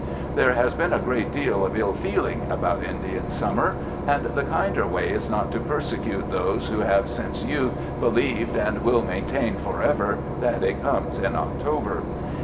There has been a great deal of ill feeling about Indian summer, and the kinder way is not to persecute those who have since youth believed and will maintain forever that it comes in October.